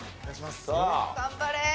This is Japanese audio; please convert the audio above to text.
頑張れ！